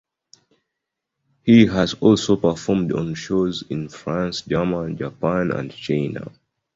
He has also performed on shows in France, Germany, Japan, and China.